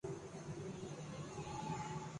لوگوں کا دیکھنے کا زاویہ اور ڈھنگ بدل رہا ہے